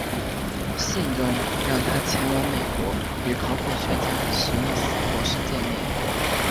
信中让他前往美国与考古学家史密斯博士见面。